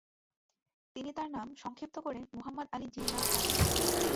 তিনি তার নাম সংক্ষিপ্ত করে মুহাম্মদ আলি জিন্নাহ রাখেন।